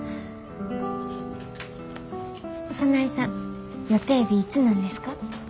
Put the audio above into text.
早苗さん予定日いつなんですか？